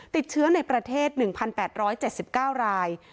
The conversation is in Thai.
ติดเชื้อในประเทศ๑๘๗๙ราย